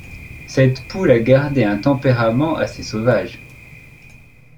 Cette poule a gardé un tempérament assez sauvage.